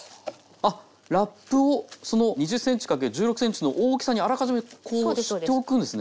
あっラップをその２０ｃｍ×１６ｃｍの大きさにあらかじめこうしておくんですね。